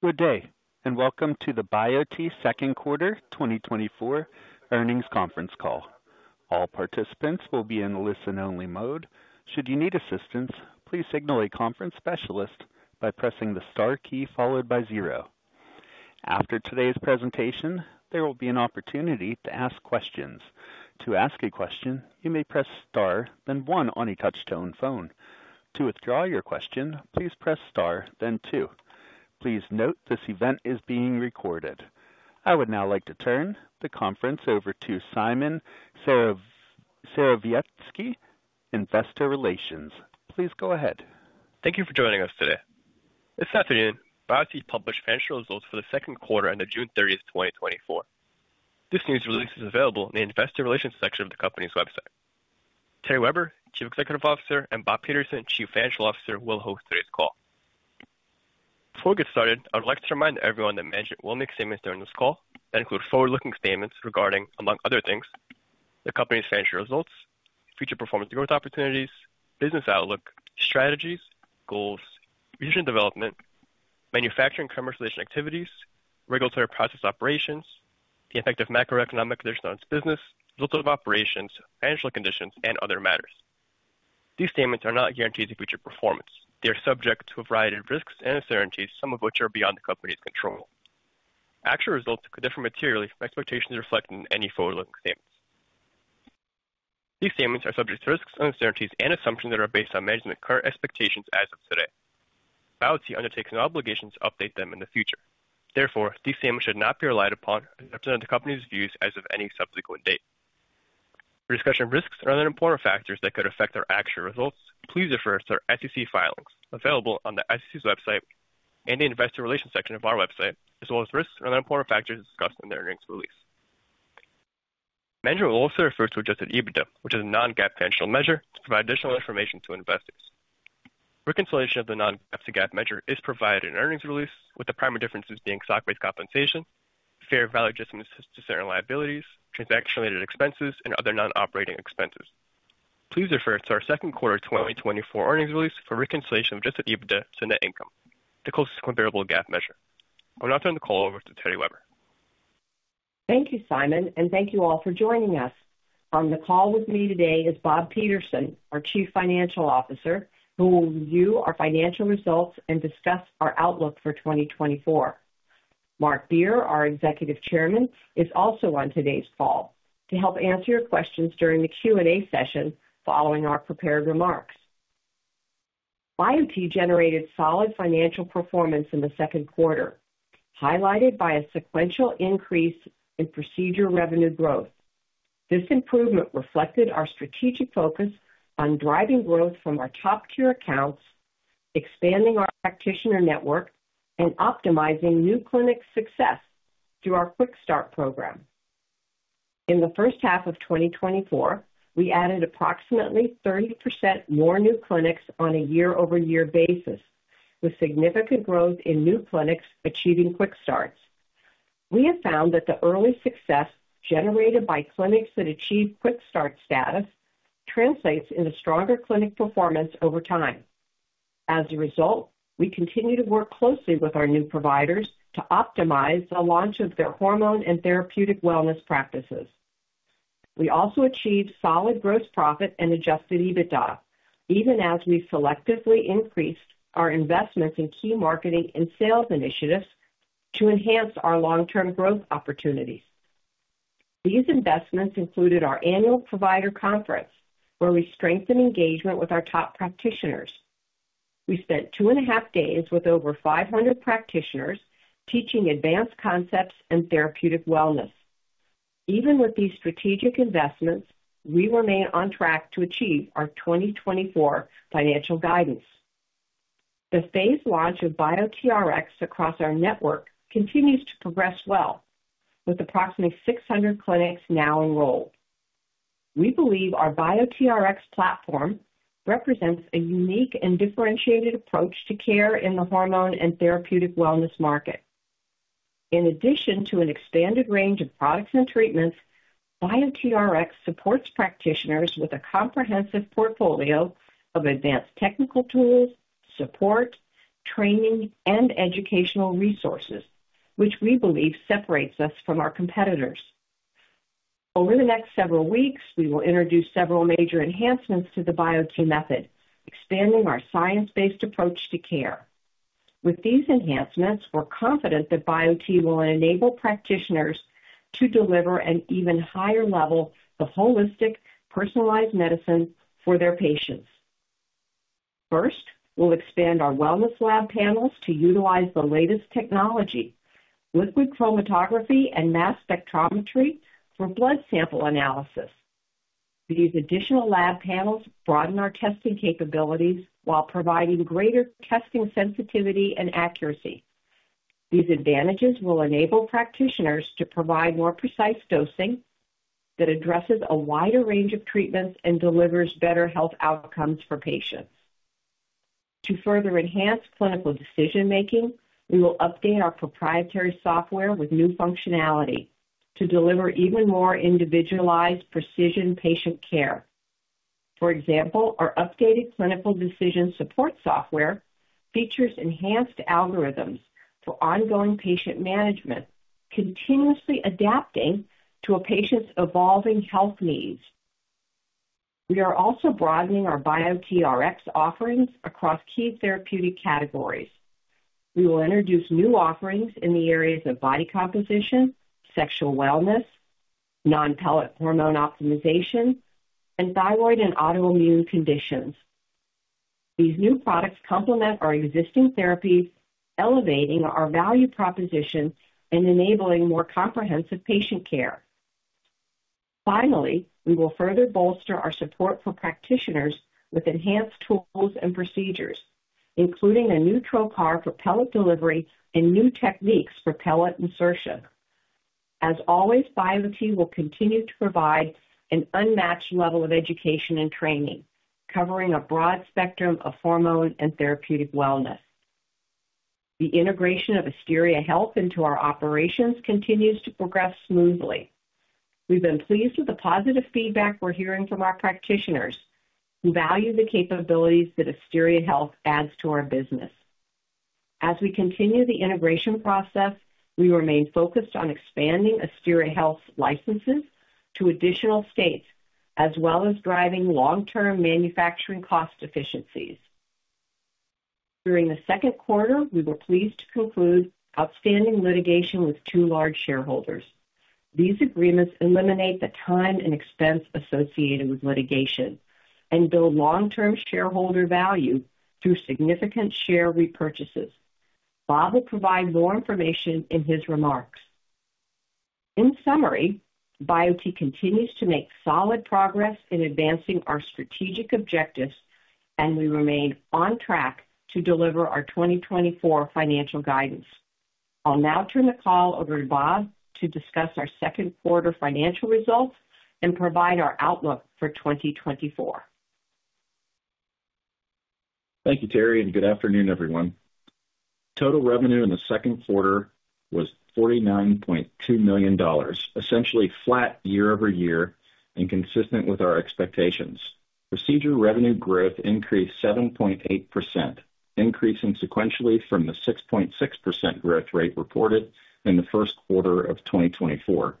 Good day, and welcome to the Biote second quarter 2024 earnings conference call. All participants will be in listen-only mode. Should you need assistance, please signal a conference specialist by pressing the * key followed by 0. After today's presentation, there will be an opportunity to ask questions. To ask a question, you may press *, then 1 on a touchtone phone. To withdraw your question, please press *, then 2. Please note, this event is being recorded. I would now like to turn the conference over to Simon Serowiecki, Investor Relations. Please go ahead. Thank you for joining us today. This afternoon, Biote published financial results for the second quarter on June 30, 2024. This news release is available in the Investor Relations section of the company's website. Terry Weber, Chief Executive Officer, and Bob Peterson, Chief Financial Officer, will host today's call. Before we get started, I would like to remind everyone that management will make statements during this call that include forward-looking statements regarding, among other things, the company's financial results, future performance growth opportunities, business outlook, strategies, goals, research and development, manufacturing, commercialization activities, regulatory process operations, the effect of macroeconomic conditions on its business, results of operations, financial conditions, and other matters. These statements are not guarantees of future performance. They are subject to a variety of risks and uncertainties, some of which are beyond the company's control. Actual results could differ materially from expectations reflected in any forward-looking statements. These statements are subject to risks and uncertainties and assumptions that are based on management's current expectations as of today. Biote undertakes no obligation to update them in the future. Therefore, these statements should not be relied upon as representing the company's views as of any subsequent date. For discussion of risks and other important factors that could affect our actual results, please refer to our SEC filings available on the SEC's website and the investor relations section of our website, as well as risks and other important factors discussed in the earnings release. Management will also refer to adjusted EBITDA, which is a non-GAAP financial measure, to provide additional information to investors. Reconciliation of the non-GAAP to GAAP measure is provided in earnings release, with the primary differences being stock-based compensation, fair value adjustments to certain liabilities, transaction-related expenses, and other non-operating expenses. Please refer to our second quarter 2024 earnings release for reconciliation of adjusted EBITDA to net income, the closest comparable GAAP measure. I will now turn the call over to Terry Weber. Thank you, Simon, and thank you all for joining us. On the call with me today is Bob Peterson, our Chief Financial Officer, who will review our financial results and discuss our outlook for 2024. Marc Beer, our Executive Chairman, is also on today's call to help answer your questions during the Q&A session following our prepared remarks. Biote generated solid financial performance in the second quarter, highlighted by a sequential increase in procedure revenue growth. This improvement reflected our strategic focus on driving growth from our top tier accounts, expanding our practitioner network, and optimizing new clinic success through our Quick Start program. In the first half of 2024, we added approximately 30% more new clinics on a year-over-year basis, with significant growth in new clinics achieving quick starts. We have found that the early success generated by clinics that achieve Quick Start status translates into stronger clinic performance over time. As a result, we continue to work closely with our new providers to optimize the launch of their hormone and therapeutic wellness practices. We also achieved solid gross profit and adjusted EBITDA, even as we selectively increased our investments in key marketing and sales initiatives to enhance our long-term growth opportunities. These investments included our annual provider conference, where we strengthen engagement with our top practitioners. We spent two and a half days with over 500 practitioners teaching advanced concepts in therapeutic wellness. Even with these strategic investments, we remain on track to achieve our 2024 financial guidance. The phased launch of BioteRx across our network continues to progress well, with approximately 600 clinics now enrolled. We believe our BioteRx platform represents a unique and differentiated approach to care in the hormone and therapeutic wellness market. In addition to an expanded range of products and treatments, BioteRx supports practitioners with a comprehensive portfolio of advanced technical tools, support, training, and educational resources, which we believe separates us from our competitors. Over the next several weeks, we will introduce several major enhancements to the Biote Method, expanding our science-based approach to care. With these enhancements, we're confident that Biote will enable practitioners to deliver an even higher level of holistic, personalized medicine for their patients. First, we'll expand our wellness lab panels to utilize the latest technology, liquid chromatography and mass spectrometry for blood sample analysis. These additional lab panels broaden our testing capabilities while providing greater testing sensitivity and accuracy. These advantages will enable practitioners to provide more precise dosing that addresses a wider range of treatments and delivers better health outcomes for patients. To further enhance clinical decision-making, we will update our proprietary software with new functionality to deliver even more individualized precision patient care. For example, our updated clinical decision support software features enhanced algorithms for ongoing patient management, continuously adapting to a patient's evolving health needs. We are also broadening our BioteRx offerings across key therapeutic categories. We will introduce new offerings in the areas of body composition, sexual wellness, non-pellet hormone optimization, and thyroid and autoimmune conditions. These new products complement our existing therapies, elevating our value proposition and enabling more comprehensive patient care. Finally, we will further bolster our support for practitioners with enhanced tools and procedures, including a new trocar for pellet delivery and new techniques for pellet insertion. As always, Biote will continue to provide an unmatched level of education and training, covering a broad spectrum of hormone and therapeutic wellness. The integration of Asteria Health into our operations continues to progress smoothly. We've been pleased with the positive feedback we're hearing from our practitioners, who value the capabilities that Asteria Health adds to our business. As we continue the integration process, we remain focused on expanding Asteria Health's licenses to additional states, as well as driving long-term manufacturing cost efficiencies. During the second quarter, we were pleased to conclude outstanding litigation with two large shareholders. These agreements eliminate the time and expense associated with litigation and build long-term shareholder value through significant share repurchases. Bob will provide more information in his remarks. In summary, Biote continues to make solid progress in advancing our strategic objectives, and we remain on track to deliver our 2024 financial guidance. I'll now turn the call over to Bob to discuss our second quarter financial results and provide our outlook for 2024. Thank you, Terry, and good afternoon, everyone. Total revenue in the second quarter was $49.2 million, essentially flat year over year and consistent with our expectations. Procedure revenue growth increased 7.8%, increasing sequentially from the 6.6% growth rate reported in the first quarter of 2024.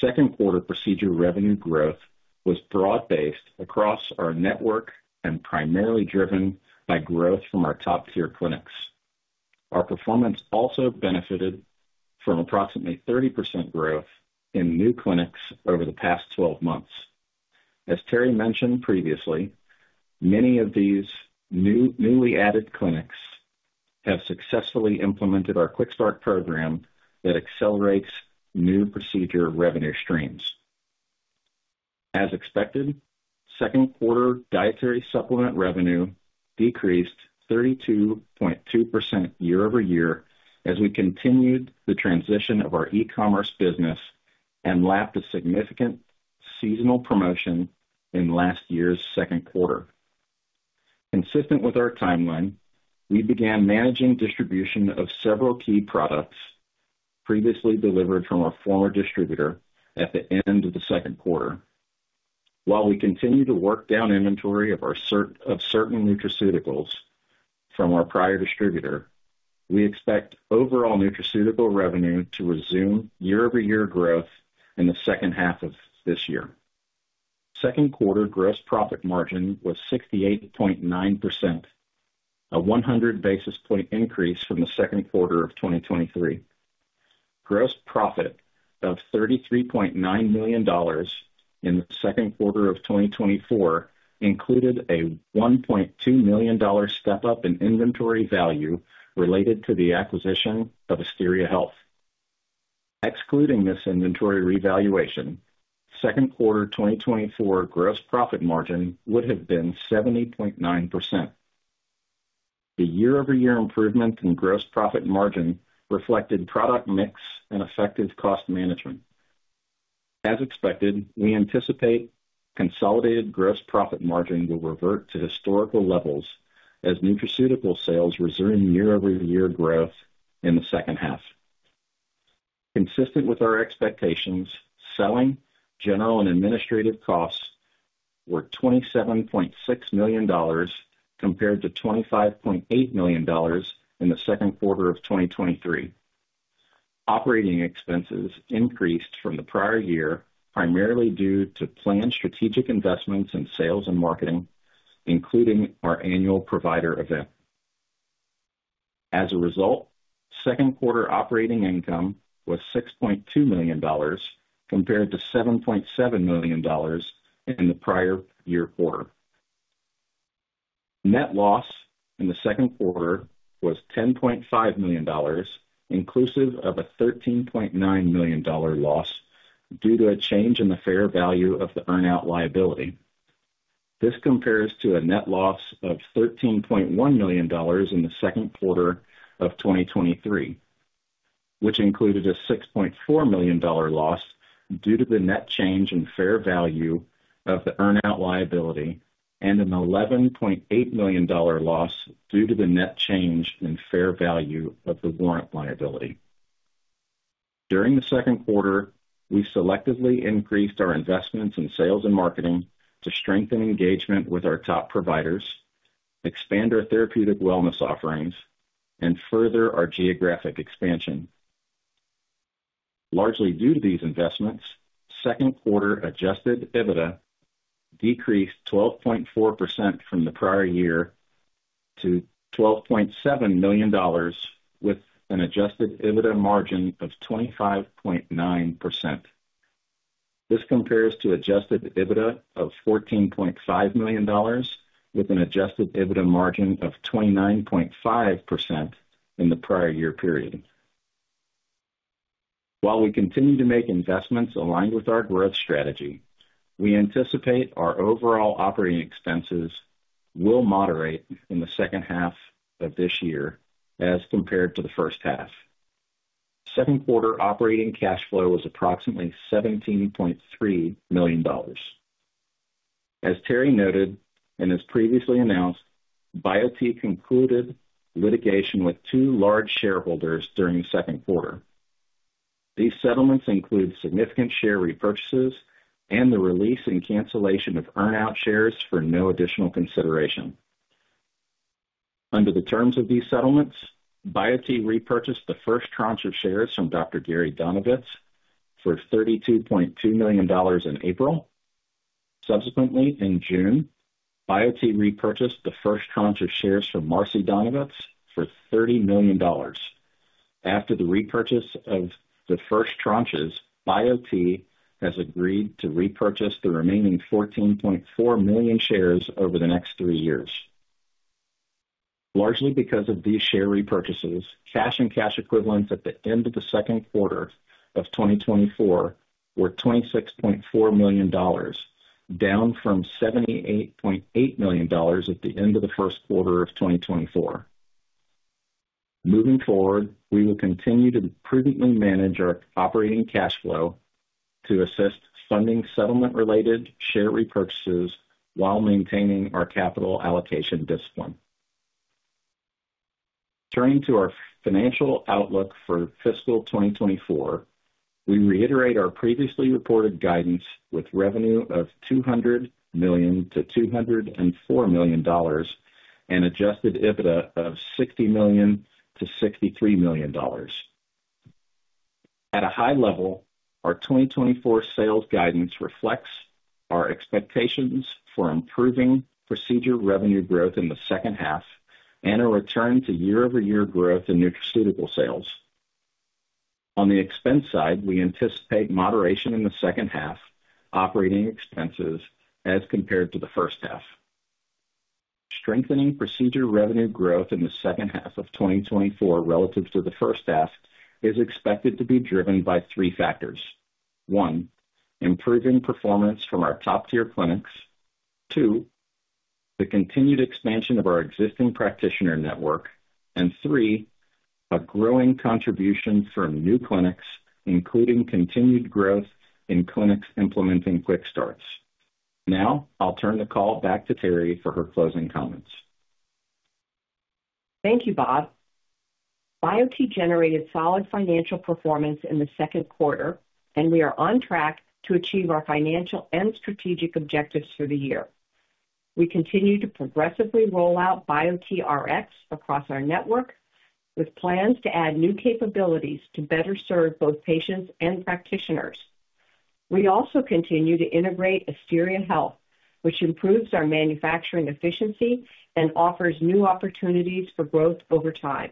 Second quarter procedure revenue growth was broad-based across our network and primarily driven by growth from our top-tier clinics. Our performance also benefited from approximately 30% growth in new clinics over the past 12 months. As Terry mentioned previously, many of these new, newly added clinics have successfully implemented our Quick Start program that accelerates new procedure revenue streams. As expected, second quarter dietary supplement revenue decreased 32.2% year over year as we continued the transition of our e-commerce business and lapped a significant seasonal promotion in last year's second quarter. Consistent with our timeline, we began managing distribution of several key products previously delivered from our former distributor at the end of the second quarter. While we continue to work down inventory of our of certain nutraceuticals from our prior distributor, we expect overall nutraceutical revenue to resume year-over-year growth in the second half of this year. Second quarter gross profit margin was 68.9%, a 100 basis point increase from the second quarter of 2023. Gross profit of $33.9 million in the second quarter of 2024 included a $1.2 million step-up in inventory value related to the acquisition of Asteria Health. Excluding this inventory revaluation, second quarter 2024 gross profit margin would have been 70.9%. The year-over-year improvement in gross profit margin reflected product mix and effective cost management. As expected, we anticipate consolidated gross profit margin will revert to historical levels as nutraceutical sales resume year-over-year growth in the second half. Consistent with our expectations, selling, general, and administrative costs were $27.6 million, compared to $25.8 million in the second quarter of 2023. Operating expenses increased from the prior year, primarily due to planned strategic investments in sales and marketing, including our annual provider event. As a result, second quarter operating income was $6.2 million, compared to $7.7 million in the prior year quarter. Net loss in the second quarter was $10.5 million, inclusive of a $13.9 million loss due to a change in the fair value of the earn-out liability. This compares to a net loss of $13.1 million in the second quarter of 2023, which included a $6.4 million loss due to the net change in fair value of the earn-out liability and an $11.8 million loss due to the net change in fair value of the warrant liability. During the second quarter, we selectively increased our investments in sales and marketing to strengthen engagement with our top providers, expand our therapeutic wellness offerings, and further our geographic expansion. Largely due to these investments, second quarter adjusted EBITDA decreased 12.4% from the prior year to $12.7 million, with an adjusted EBITDA margin of 25.9%. This compares to adjusted EBITDA of $14.5 million, with an adjusted EBITDA margin of 29.5% in the prior year period. While we continue to make investments aligned with our growth strategy, we anticipate our overall operating expenses will moderate in the second half of this year as compared to the first half. Second quarter operating cash flow was approximately $17.3 million. As Terry noted, and as previously announced, Biote concluded litigation with two large shareholders during the second quarter. These settlements include significant share repurchases and the release and cancellation of earn-out shares for no additional consideration. Under the terms of these settlements, Biote repurchased the first tranche of shares from Dr. Gary Donovitz for $32.2 million in April. Subsequently, in June, Biote repurchased the first tranche of shares from Marcy Donovitz for $30 million. After the repurchase of the first tranches, Biote has agreed to repurchase the remaining 14.4 million shares over the next three years. Largely because of these share repurchases, cash and cash equivalents at the end of the second quarter of 2024 were $26.4 million, down from $78.8 million at the end of the first quarter of 2024. Moving forward, we will continue to prudently manage our operating cash flow to assist funding settlement-related share repurchases while maintaining our capital allocation discipline. Turning to our financial outlook for fiscal 2024, we reiterate our previously reported guidance with revenue of $200 million-$204 million and adjusted EBITDA of $60 million-$63 million. At a high level, our 2024 sales guidance reflects our expectations for improving procedure revenue growth in the second half and a return to year-over-year growth in nutraceutical sales. On the expense side, we anticipate moderation in the second half operating expenses as compared to the first half. Strengthening procedure revenue growth in the second half of 2024 relative to the first half is expected to be driven by three factors. One, improving performance from our top-tier clinics. Two, the continued expansion of our existing practitioner network. And three, a growing contribution from new clinics, including continued growth in clinics implementing Quick Start. Now I'll turn the call back to Terry for her closing comments. Thank you, Bob. Biote generated solid financial performance in the second quarter, and we are on track to achieve our financial and strategic objectives for the year. We continue to progressively roll out BioteRx across our network, with plans to add new capabilities to better serve both patients and practitioners. We also continue to integrate Asteria Health, which improves our manufacturing efficiency and offers new opportunities for growth over time.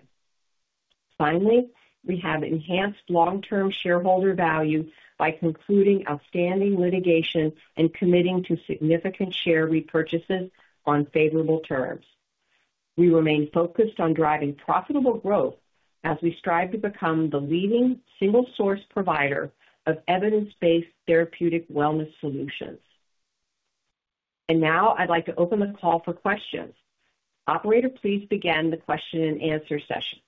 Finally, we have enhanced long-term shareholder value by concluding outstanding litigation and committing to significant share repurchases on favorable terms. We remain focused on driving profitable growth as we strive to become the leading single source provider of evidence-based therapeutic wellness solutions. And now I'd like to open the call for questions. Operator, please begin the question and answer session.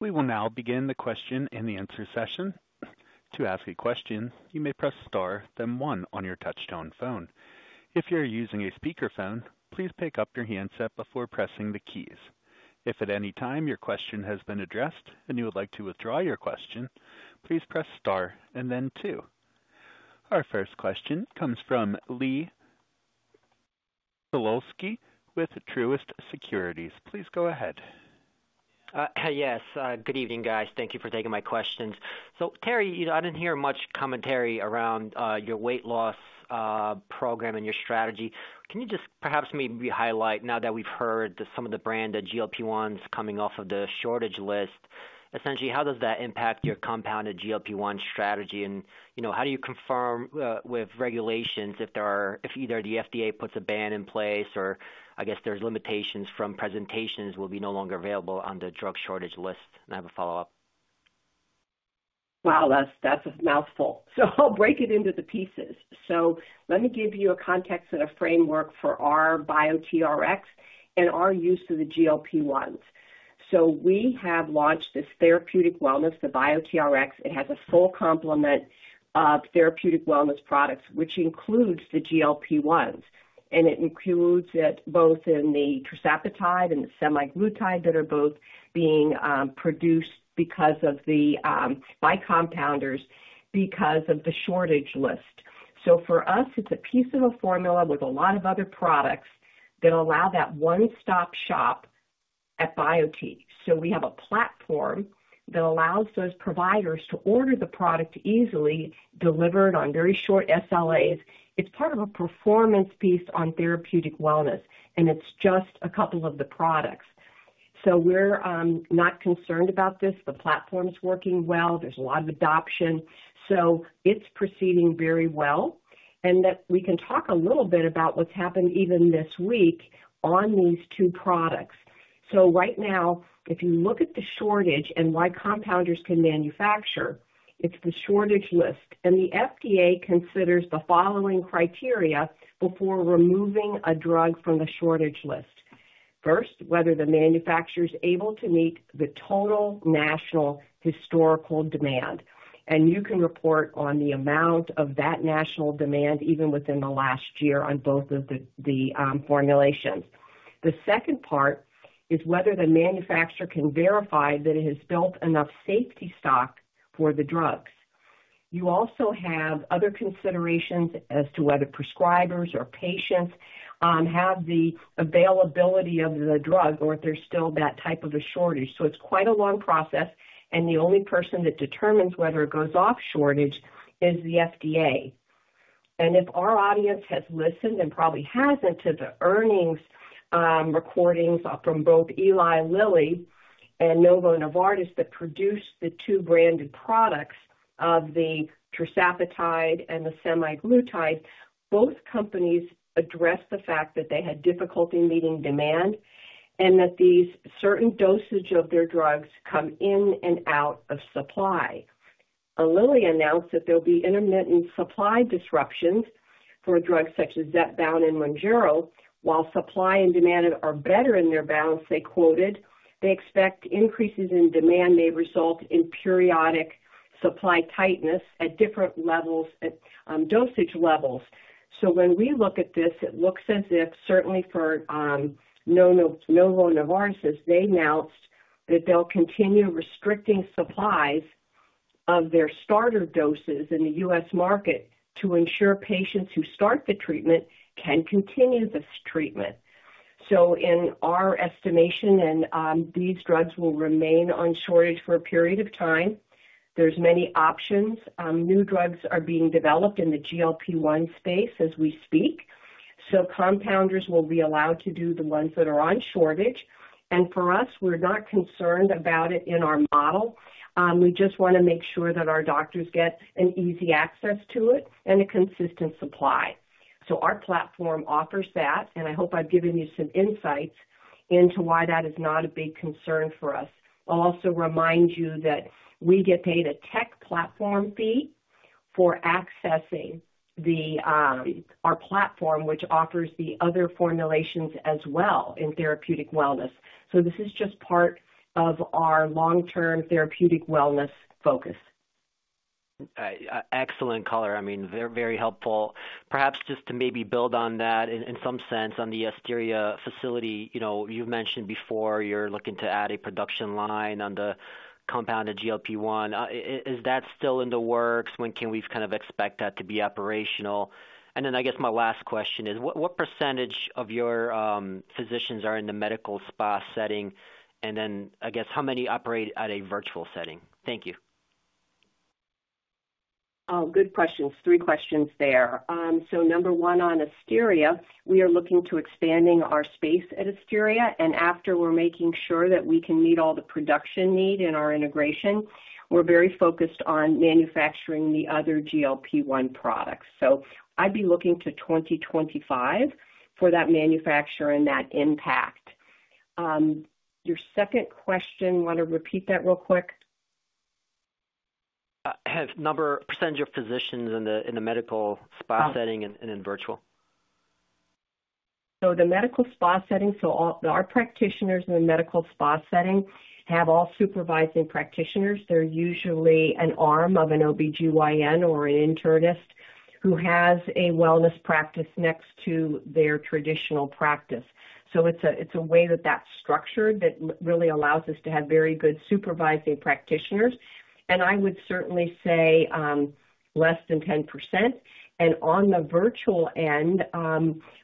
We will now begin the question and answer session. To ask a question, you may press Star, then one on your touchtone phone. If you're using a speakerphone, please pick up your handset before pressing the keys. If at any time your question has been addressed and you would like to withdraw your question, please press Star and then two. Our first question comes from Les Sulewski with Truist Securities. Please go ahead. Yes, good evening, guys. Thank you for taking my questions. So, Terry, you know, I didn't hear much commentary around your weight loss program and your strategy. Can you just perhaps maybe highlight, now that we've heard that some of the branded GLP-1s coming off of the shortage list, essentially, how does that impact your compounded GLP-1 strategy? And, you know, how do you confirm with regulations if either the FDA puts a ban in place or I guess there's limitations from presentations will be no longer available on the drug shortage list? And I have a follow-up. Wow, that's, that's a mouthful. So I'll break it into the pieces. So let me give you a context and a framework for our BioteRx and our use of the GLP-1s. So we have launched this therapeutic wellness, the BioteRx. It has a full complement of therapeutic wellness products, which includes the GLP-1s, and it includes it both in the tirzepatide and the semaglutide that are both being produced because of the by compounders, because of the shortage list. So for us, it's a piece of a formula with a lot of other products that allow that one-stop shop at Biote. So we have a platform that allows those providers to order the product easily, delivered on very short SLAs. It's part of a performance piece on therapeutic wellness, and it's just a couple of the products. So we're not concerned about this. The platform's working well. There's a lot of adoption, so it's proceeding very well, and that we can talk a little bit about what's happened even this week on these two products. So right now, if you look at the shortage and why compounders can manufacture, it's the shortage list, and the FDA considers the following criteria before removing a drug from the shortage list. First, whether the manufacturer is able to meet the total national historical demand, and you can report on the amount of that national demand even within the last year on both of the formulations. The second part is whether the manufacturer can verify that it has built enough safety stock for the drugs. You also have other considerations as to whether prescribers or patients have the availability of the drug or if there's still that type of a shortage. So it's quite a long process, and the only person that determines whether it goes off shortage is the FDA. And if our audience has listened, and probably hasn't, to the earnings recordings from both Eli Lilly and Novo Nordisk, that produce the two branded products of the tirzepatide and the semaglutide, both companies addressed the fact that they had difficulty meeting demand, and that these certain dosage of their drugs come in and out of supply. Eli Lilly announced that there'll be intermittent supply disruptions for drugs such as Zepbound and Mounjaro. While supply and demand are better in their balance," they quoted, "they expect increases in demand may result in periodic supply tightness at different levels, at dosage levels." So when we look at this, it looks as if, certainly for Novo Nordisk, they announced that they'll continue restricting supplies of their starter doses in the US market to ensure patients who start the treatment can continue this treatment. So in our estimation, these drugs will remain on shortage for a period of time, there's many options. New drugs are being developed in the GLP-1 space as we speak, so compounders will be allowed to do the ones that are on shortage. And for us, we're not concerned about it in our model. We just want to make sure that our doctors get an easy access to it and a consistent supply. So our platform offers that, and I hope I've given you some insights into why that is not a big concern for us. I'll also remind you that we get paid a tech platform fee for accessing our platform, which offers the other formulations as well in therapeutic wellness. So this is just part of our long-term therapeutic wellness focus. Excellent color. I mean, very, very helpful. Perhaps just to maybe build on that in some sense on the Asteria facility. You know, you've mentioned before you're looking to add a production line on the compounded GLP-1. Is that still in the works? When can we kind of expect that to be operational? And then I guess my last question is: What percentage of your physicians are in the medical spa setting? And then, I guess, how many operate at a virtual setting? Thank you. Oh, good questions. Three questions there. So number one, on Asteria, we are looking to expanding our space at Asteria, and after we're making sure that we can meet all the production need in our integration, we're very focused on manufacturing the other GLP-1 products. So I'd be looking to 2025 for that manufacture and that impact. Your second question, want to repeat that real quick? Have number, percentage of physicians in the medical spa setting- Oh. and in virtual. So the medical spa setting, so all our practitioners in the medical spa setting have all supervising practitioners. They're usually an arm of an OBGYN or an internist who has a wellness practice next to their traditional practice. So it's a way that's structured that really allows us to have very good supervising practitioners, and I would certainly say less than 10%. And on the virtual end,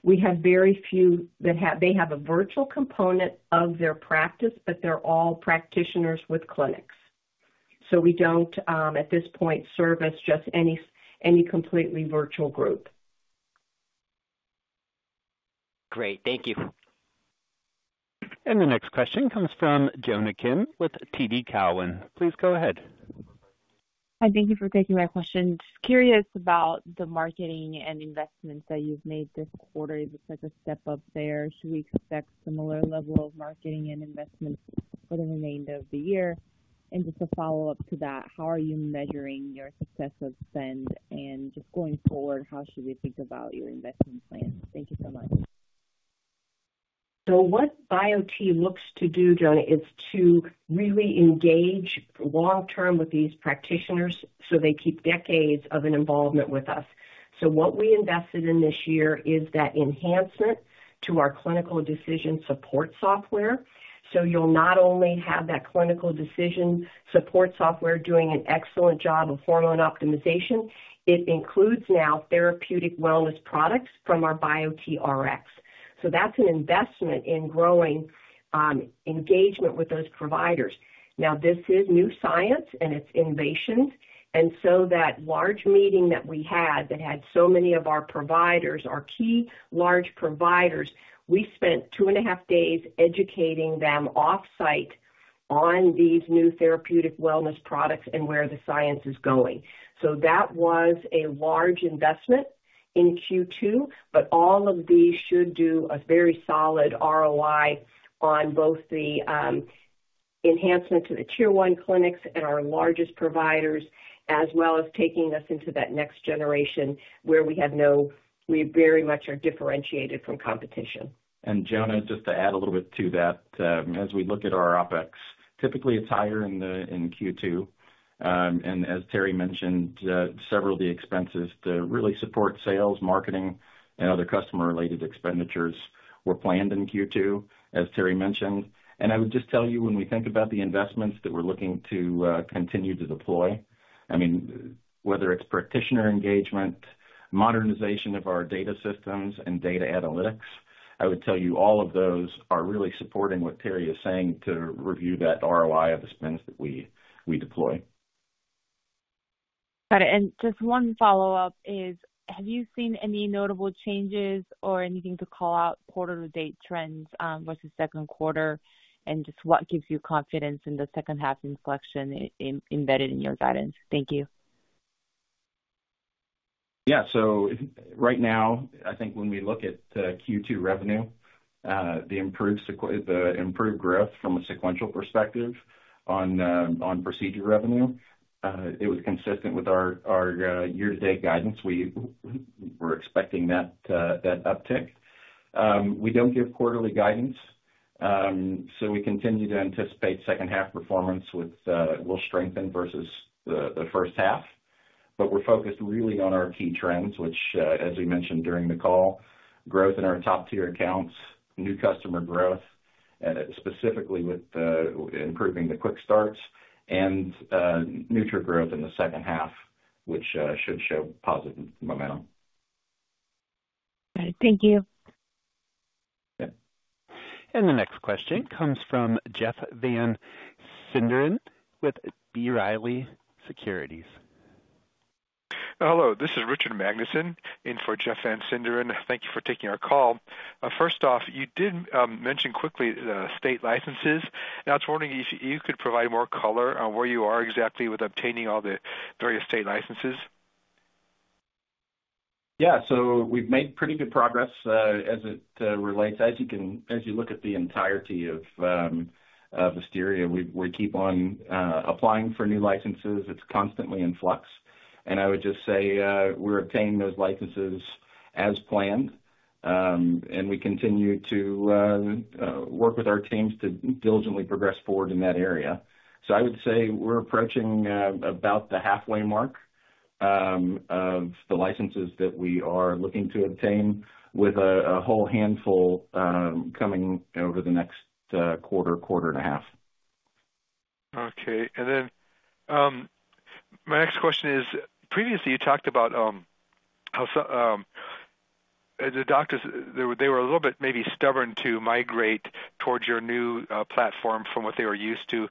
we have very few that have a virtual component of their practice, but they're all practitioners with clinics. So we don't at this point service just any completely virtual group. Great. Thank you. The next question comes from Jonna Kim with TD Cowen. Please go ahead. Hi, thank you for taking my question. Just curious about the marketing and investments that you've made this quarter. Is it such a step up there? Should we expect similar level of marketing and investments within the remainder of the year? And just a follow-up to that, how are you measuring your success of spend? And just going forward, how should we think about your investment plan? Thank you so much. ... So what Biote looks to do, Jonna, is to really engage long-term with these practitioners, so they keep decades of an involvement with us. So what we invested in this year is that enhancement to our clinical decision support software. So you'll not only have that clinical decision support software doing an excellent job of formula and optimization, it includes now therapeutic wellness products from our BioteRx. So that's an investment in growing engagement with those providers. Now, this is new science, and it's innovation, and so that large meeting that we had that had so many of our providers, our key large providers, we spent 2.5 days educating them off-site on these new therapeutic wellness products and where the science is going. So that was a large investment in Q2, but all of these should do a very solid ROI on both the enhancement to the Tier one clinics and our largest providers, as well as taking us into that next generation where we very much are differentiated from competition. And Jonna, just to add a little bit to that, as we look at our OpEx, typically it's higher in the, in Q2. And as Terry mentioned, several of the expenses to really support sales, marketing, and other customer-related expenditures were planned in Q2, as Terry mentioned. And I would just tell you, when we think about the investments that we're looking to continue to deploy, I mean, whether it's practitioner engagement, modernization of our data systems and data analytics, I would tell you all of those are really supporting what Terry is saying to review that ROI of the spends that we, we deploy. Got it. And just one follow-up is, have you seen any notable changes or anything to call out quarter-to-date trends versus second quarter, and just what gives you confidence in the second half inflection embedded in your guidance? Thank you. Yeah. So right now, I think when we look at the Q2 revenue, the improved growth from a sequential perspective on procedure revenue, it was consistent with our year-to-date guidance. We were expecting that uptick. We don't give quarterly guidance, so we continue to anticipate second half performance which will strengthen versus the first half. But we're focused really on our key trends, which, as we mentioned during the call, growth in our top-tier accounts, new customer growth, specifically with improving the Quick Starts and nutra growth in the second half, which should show positive momentum. All right. Thank you. Yeah. And the next question comes from Jeff van Sinderen with B. Riley Securities. Hello, this is Richard Magnusen in for Jeff van Sinderen. Thank you for taking our call. First off, you did mention quickly the state licenses. Now, I was wondering if you could provide more color on where you are exactly with obtaining all the various state licenses. Yeah, so we've made pretty good progress as it relates. As you look at the entirety of Asteria, we keep on applying for new licenses. It's constantly in flux. And I would just say, we're obtaining those licenses as planned, and we continue to work with our teams to diligently progress forward in that area. So I would say we're approaching about the halfway mark of the licenses that we are looking to obtain, with a whole handful coming over the next quarter, quarter and a half. Okay. And then my next question is: previously, you talked about how so the doctors, they were, they were a little bit maybe stubborn to migrate towards your new platform from what they were used to.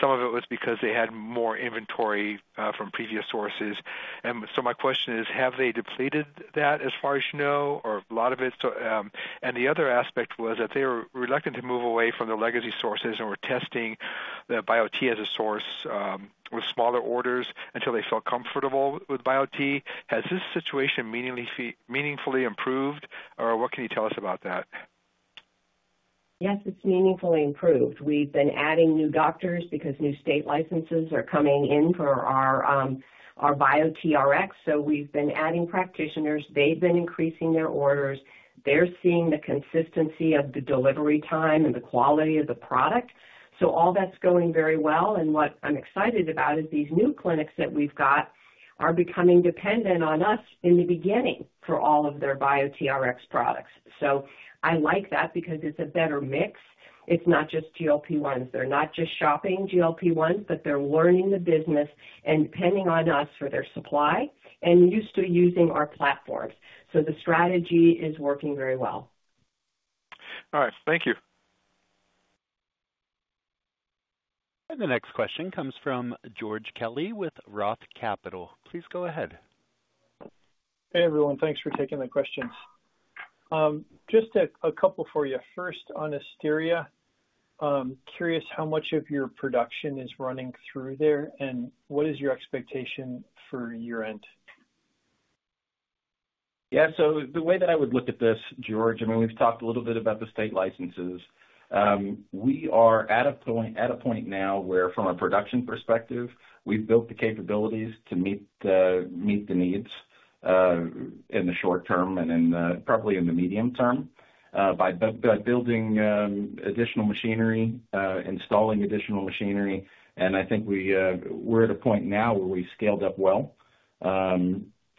Some of it was because they had more inventory from previous sources. And so my question is: Have they depleted that, as far as you know, or a lot of it? So and the other aspect was that they were reluctant to move away from their legacy sources and were testing the Biote as a source with smaller orders until they felt comfortable with Biote. Has this situation meaningfully, meaningfully improved, or what can you tell us about that? Yes, it's meaningfully improved. We've been adding new doctors because new state licenses are coming in for our, our BioteRx. So we've been adding practitioners. They've been increasing their orders. They're seeing the consistency of the delivery time and the quality of the product. So all that's going very well, and what I'm excited about is these new clinics that we've got are becoming dependent on us in the beginning for all of their BioteRx products. So I like that because it's a better mix. It's not just GLP-1s. They're not just shopping GLP-1, but they're learning the business and depending on us for their supply and used to using our platforms. So the strategy is working very well. All right. Thank you. The next question comes from George Kelly with Roth Capital. Please go ahead. Hey, everyone. Thanks for taking the questions. Just a couple for you. First, on Asteria, curious, how much of your production is running through there, and what is your expectation for year-end? Yeah. So the way that I would look at this, George, I mean, we've talked a little bit about the state licenses. We are at a point now where from a production perspective, we've built the capabilities to meet the needs in the short term and in the probably in the medium term, by building additional machinery, installing additional machinery. And I think we're at a point now where we've scaled up well,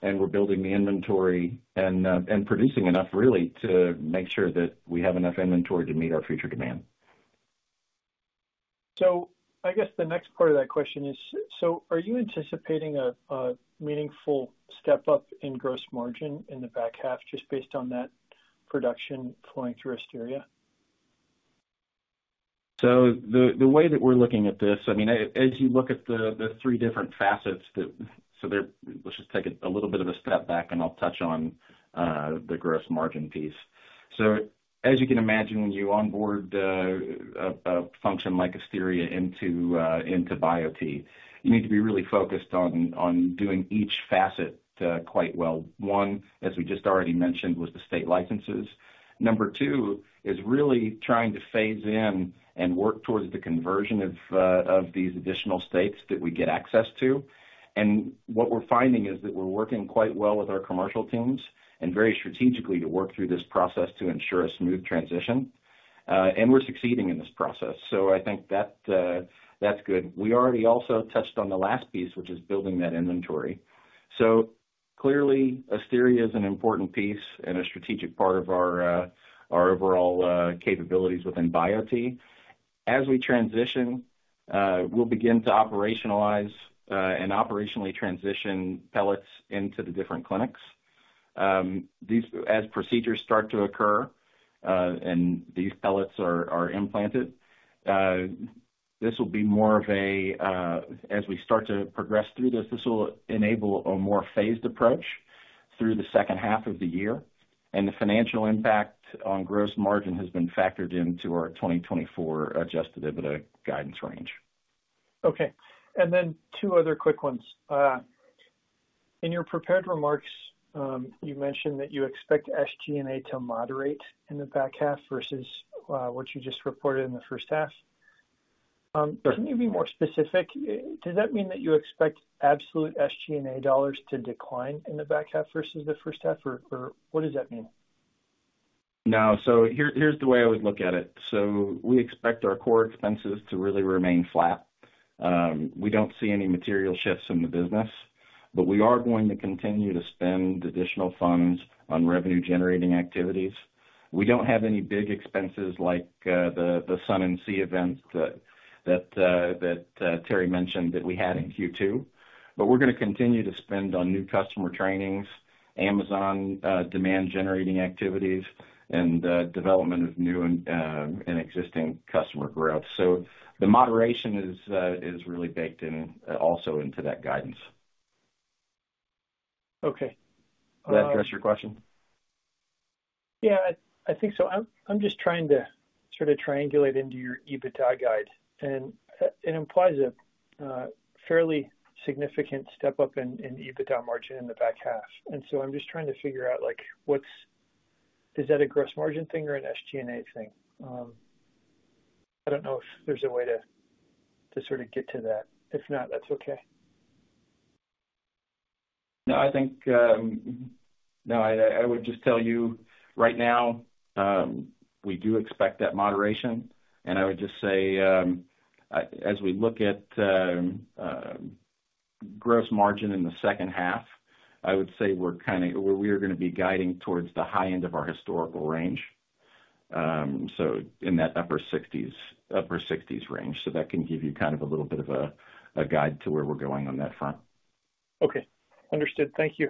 and we're building the inventory and producing enough really to make sure that we have enough inventory to meet our future demand. So I guess the next part of that question is: so are you anticipating a meaningful step up in gross margin in the back half just based on that production flowing through Asteria? So the way that we're looking at this, I mean, as you look at the three different facets. Let's just take a little bit of a step back, and I'll touch on the gross margin piece. So as you can imagine, when you onboard a function like Asteria into Biote, you need to be really focused on doing each facet quite well. One, as we just already mentioned, was the state licenses. Number two is really trying to phase in and work towards the conversion of these additional states that we get access to. And what we're finding is that we're working quite well with our commercial teams and very strategically to work through this process to ensure a smooth transition. And we're succeeding in this process, so I think that that's good. We already also touched on the last piece, which is building that inventory. So clearly, Asteria is an important piece and a strategic part of our overall capabilities within Biote. As we transition, we'll begin to operationalize and operationally transition pellets into the different clinics. As procedures start to occur and these pellets are implanted, this will be more of a... As we start to progress through this, this will enable a more phased approach through the second half of the year, and the financial impact on gross margin has been factored into our 2024 adjusted EBITDA guidance range. Okay, and then two other quick ones. In your prepared remarks, you mentioned that you expect SG&A to moderate in the back half versus what you just reported in the first half. Sure. Can you be more specific? Does that mean that you expect absolute SG&A dollars to decline in the back half versus the first half, or what does that mean? No. So here, here's the way I would look at it: so we expect our core expenses to really remain flat. We don't see any material shifts in the business, but we are going to continue to spend additional funds on revenue-generating activities. We don't have any big expenses like the Sun and Science event that Terry mentioned, that we had in Q2, but we're gonna continue to spend on new customer trainings, Amazon demand-generating activities, and development of new and existing customer growth. So the moderation is really baked in also into that guidance. Okay. Uh- Does that address your question? Yeah, I think so. I'm just trying to sort of triangulate into your EBITDA guide, and it implies a fairly significant step up in EBITDA margin in the back half. So I'm just trying to figure out, like, what's – is that a gross margin thing or an SG&A thing? I don't know if there's a way to sort of get to that. If not, that's okay. No, I think. No, I would just tell you right now, we do expect that moderation. And I would just say, as we look at gross margin in the second half, I would say we're kind of—we are gonna be guiding towards the high end of our historical range. So in that upper 60s, upper 60s range. So that can give you kind of a little bit of a guide to where we're going on that front. Okay. Understood. Thank you.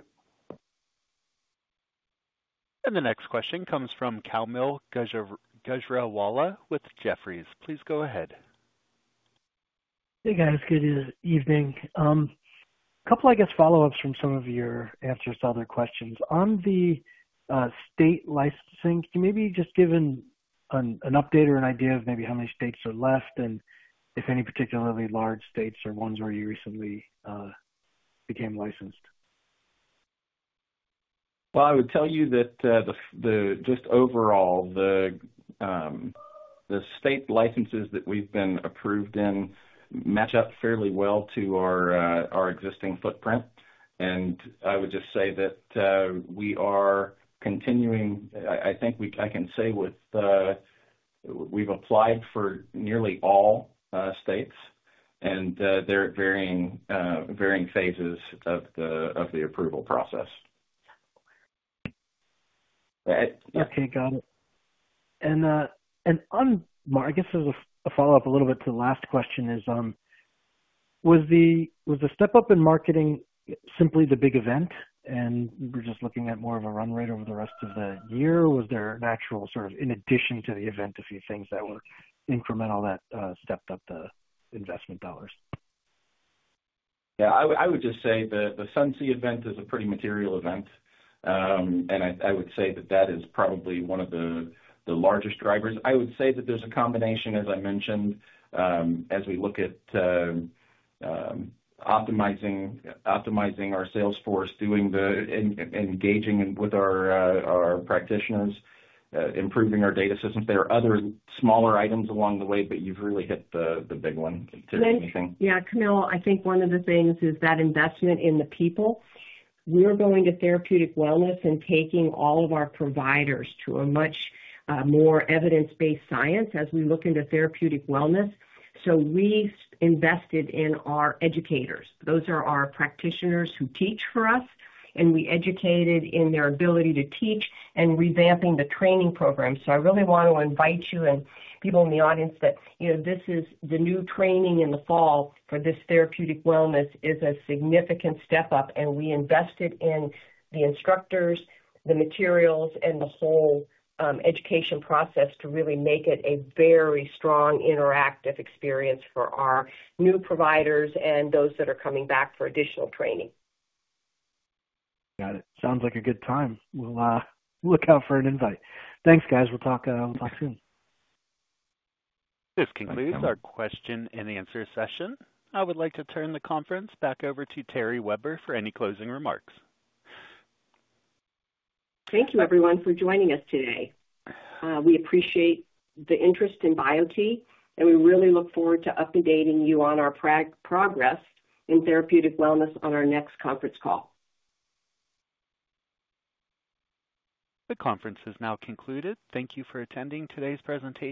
The next question comes from Kaumil Gajrawala with Jefferies. Please go ahead. Hey, guys. Good evening. A couple, I guess, follow-ups from some of your answers to other questions. On the state licensing, can you maybe just give an update or an idea of maybe how many states are left and if any particularly large states or ones where you recently became licensed? Well, I would tell you that just overall, the state licenses that we've been approved in match up fairly well to our existing footprint. And I would just say that we are continuing. I think we can say we've applied for nearly all states, and they're at varying phases of the approval process. Okay, got it. And, and on... I guess as a follow-up a little bit to the last question is, was the step up in marketing simply the big event, and we're just looking at more of a run rate over the rest of the year? Or was there an actual, sort of, in addition to the event, a few things that were incremental that stepped up the investment dollars? Yeah, I would just say the Sun and Science event is a pretty material event. And I would say that that is probably one of the largest drivers. I would say that there's a combination, as I mentioned, as we look at optimizing our sales force, doing the and engaging with our practitioners, improving our data systems. There are other smaller items along the way, but you've really hit the big one to anything. Yeah, Kaumil, I think one of the things is that investment in the people. We're going to therapeutic wellness and taking all of our providers to a much more evidence-based science as we look into therapeutic wellness. So we invested in our educators. Those are our practitioners who teach for us, and we educated in their ability to teach and revamping the training program. So I really want to invite you and people in the audience that, you know, this is the new training in the fall for this therapeutic wellness is a significant step up, and we invested in the instructors, the materials, and the whole education process to really make it a very strong interactive experience for our new providers and those that are coming back for additional training. Got it. Sounds like a good time. We'll look out for an invite. Thanks, guys. We'll talk soon. This concludes our question and answer session. I would like to turn the conference back over to Terry Weber for any closing remarks. Thank you, everyone, for joining us today. We appreciate the interest in Biote, and we really look forward to updating you on our progress in therapeutic wellness on our next conference call. The conference is now concluded. Thank you for attending today's presentation.